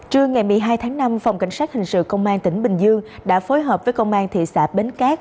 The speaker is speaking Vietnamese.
trưa ngày một mươi hai tháng năm phòng cảnh sát hình sự công an tỉnh bình dương đã phối hợp với công an thị xã bến cát